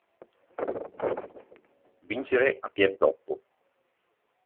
Vincere a piè zoppo.